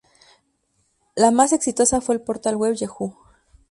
La más exitosa fue el portal web Yahoo!